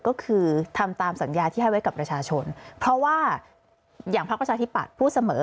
ก็คือทำตามสัญญาที่ให้ไว้กับประชาชนเพราะว่าอย่างพักประชาธิปัตย์พูดเสมอ